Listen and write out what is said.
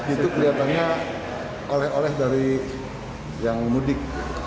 itu kelihatannya oleh oleh dari yang mudik